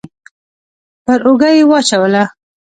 پر اوږه يې واچوله.